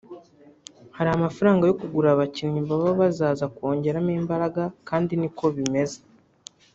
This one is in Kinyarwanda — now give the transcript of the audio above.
Hari amafaranga yo kugura abakinnyi baba bazaza kongeramo imbaraga kandi niko bimeze